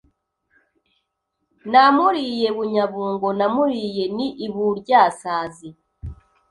Namuriye Bunyabungo namuriye ni iBuryasazi